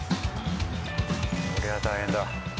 こりゃ大変だ。